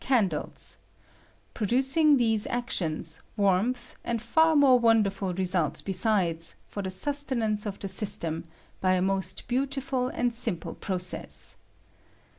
candles ; producing titeae actions, warmth, and far more wonderful results besides, for the sua tenance of the system, by a most beautifizl and simple process.